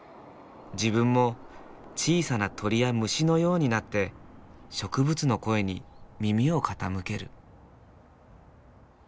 自分も小さな鳥や虫のようになって植物の声に耳を傾ける。